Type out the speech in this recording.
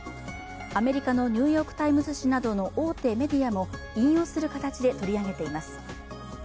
アメリカの「ニューヨーク・タイムズ」紙などの大手メディアも引用する形で取り上げています。